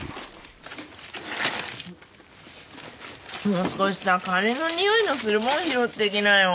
もう少しさ金のにおいのする物拾ってきなよ。